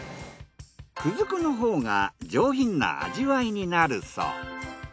くず粉のほうが上品な味わいになるそう。